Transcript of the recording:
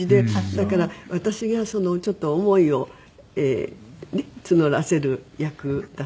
だから私がちょっと思いを募らせる役だったんですね寺尾さんに。